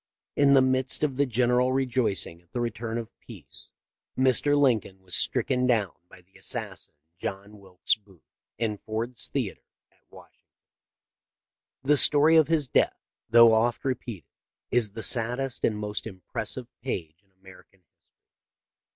In the midst of the general rejoicing at the return of peace Mr. Lincoln was stricken down by the assassin, John Wilkes Booth, in Ford's Theatre at Washington. The story of his death, though oft repeated, is the saddest and most impressive page in American his tory.